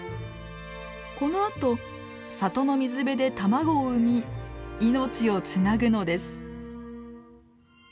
このあと里の水辺で卵を産み命をつなぐのです。